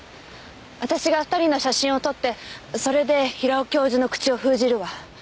私が２人の写真を撮ってそれで平尾教授の口を封じるわ。